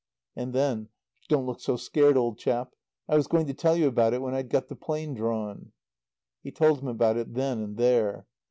And then: "Don't look so scared, old chap. I was going to tell you about it when I'd got the plans drawn." He told him about it then and there.